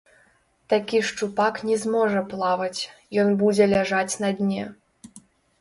Такі шчупак не зможа плаваць, ён будзе ляжаць на дне!